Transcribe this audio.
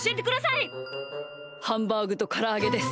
ハンバーグとからあげです。